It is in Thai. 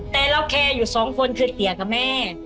แต่เราแคร์อยู่สองคนคือเตี๋ยกับแม่